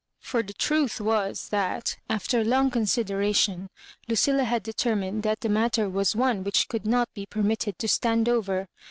For the truth was, that, after long considera tion, Lucilla had determined that the matter was ' one which could not be permitted to stand over.